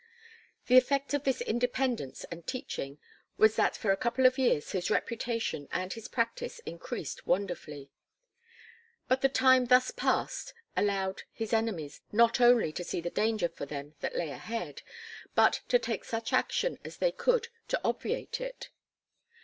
The effect of this independence and teaching was that for a couple of years his reputation and his practice increased wonderfully. But the time thus passed allowed his enemies not only to see the danger for them that lay ahead, but to take such action as they could to obviate it.